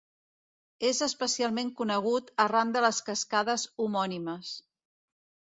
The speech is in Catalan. És especialment conegut arran de les cascades homònimes.